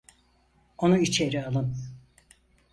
Onu içeri alın.